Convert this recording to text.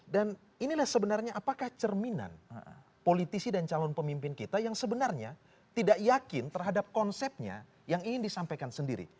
dan inilah sebenarnya apakah cerminan politisi dan calon pemimpin kita yang sebenarnya tidak yakin terhadap konsepnya yang ingin disampaikan sendiri